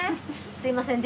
すいません。